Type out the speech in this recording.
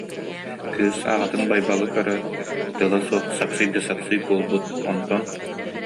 Кыыс аҕатын Байбалы көрөөт, тыла суох сапсый да сапсый буолбут, онтон: